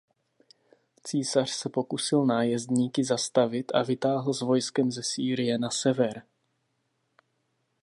Císař se pokusil nájezdníky zastavit a vytáhl s vojskem ze Sýrie na sever.